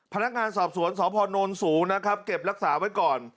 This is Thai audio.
พนักงานสอบสวนสพนสูงนะครับเก็บรักษาไว้ก่อน